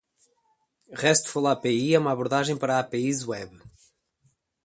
RESTful API é uma abordagem para APIs web.